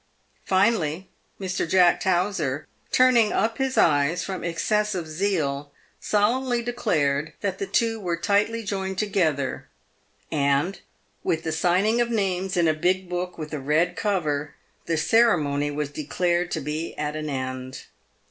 Finally, Mr. Jack Tow T ser, turning up his eyes from excess of zeal, solemnly declared that the two were tightly joined together ; and, with the signing of names in a big book with a red cover, the ceremony was declared to be at an end.